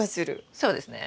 そうですね。